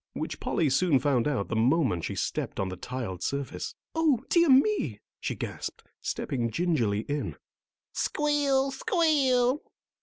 Which Polly soon found out the moment she stepped on the tiled surface. "O dear me!" she gasped, stepping gingerly in. Squeal! Squeal!